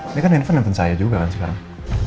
ini kan handphone nonton saya juga kan sekarang